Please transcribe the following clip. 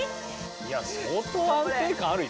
いや相当安定感あるよ。